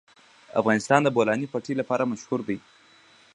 افغانستان د د بولان پټي لپاره مشهور دی.